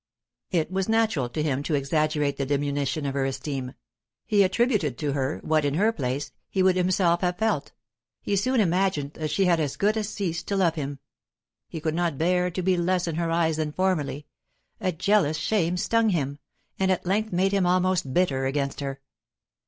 It was natural to him to exaggerate the diminution of her esteem; he attributed to her what, in her place, he would himself have felt; he soon imagined that she had as good as ceased to love him. He could not bear to be less in her eyes than formerly; a jealous shame stung him, and at length made him almost bitter against her.